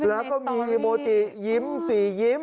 แล้วก็มีโมติยิ้ม๔ยิ้ม